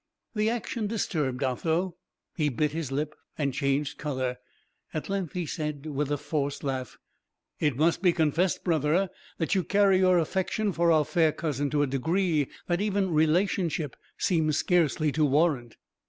The action disturbed Otho; he bit his lip, and changed colour; at length he said, with a forced laugh: "It must be confessed, brother, that you carry your affection for our fair cousin to a degree that even relationship seems scarcely to warrant."